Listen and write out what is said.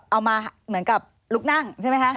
เหมือนกับลุกนั่งใช่ไหมคะ